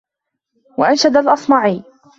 وَأَنْشَدَ الْأَصْمَعِيُّ